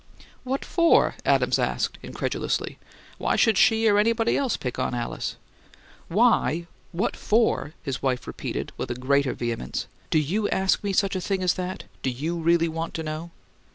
"What for?" Adams asked, incredulously. "Why should she or anybody else pick on Alice?" "'Why?' 'What for?'" his wife repeated with a greater vehemence. "Do YOU ask me such a thing as that? Do you really want to know?"